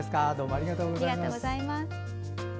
ありがとうございます。